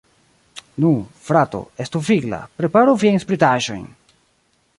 Nu, frato, estu vigla, preparu viajn spritaĵojn!